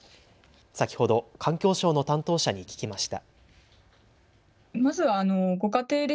先ほど、環境省の担当者に聞きました。